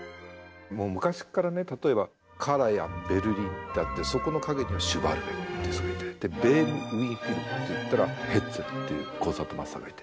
もう昔っからね例えばカラヤンベルリンってあってそこの陰にはシュヴァルベっていう人がいてベームウィーン・フィルっていったらヘッツェルっていうコンサートマスターがいて。